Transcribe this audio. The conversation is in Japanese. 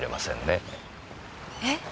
えっ？